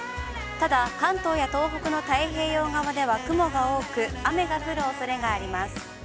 ただ、関東や東北の太平洋側では、雲が多く、雨が降るおそれがあります。